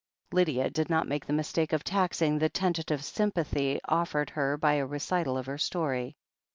Lydia did not make the mistake of taxing the tenta tive sympathy offered her by a recital of her story.